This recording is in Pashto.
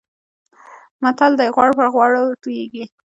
متل: غوړ پر غوړو تويېږي.